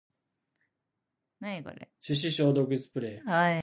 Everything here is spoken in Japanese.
手指消毒スプレー